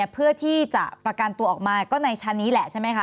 เพื่อที่จะประกันตัวออกมาก็ในชั้นนี้แหละใช่ไหมคะ